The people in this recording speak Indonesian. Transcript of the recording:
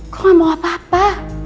kok gak mau apa apa